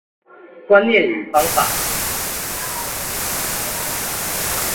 觀念與方法